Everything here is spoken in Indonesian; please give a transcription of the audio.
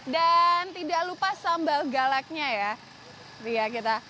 dan tidak lupa sambal galaknya ya